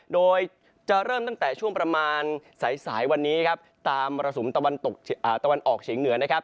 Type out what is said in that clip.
โดยจะเริ่มตั้งแต่ช่วงประมาณสายสายวันนี้ครับตามมรสุมตะวันตกตะวันออกเฉียงเหนือนะครับ